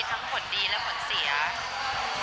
สถานะได้ไหม